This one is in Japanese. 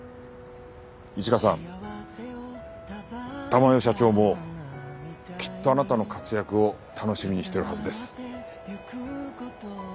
珠代社長もきっとあなたの活躍を楽しみにしてるはずです。